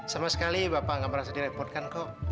sama sekali bapak nggak merasa direpotkan kok